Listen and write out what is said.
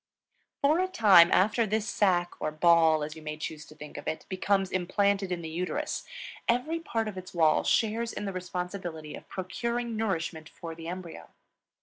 For a time after this sac, or ball, as you may choose to think of it, becomes implanted in the uterus, every part of its wall shares in the responsibility of procuring nourishment for the embryo.